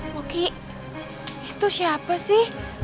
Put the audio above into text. poki itu siapa sih